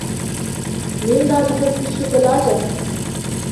ليندا تحب الشوكولاتة.